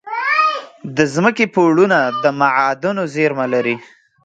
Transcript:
د ځمکې پوړونه د معادنو زیرمه لري.